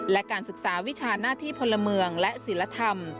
และการศึกษาวิชาหน้าที่พลเมืองและศิลธรรม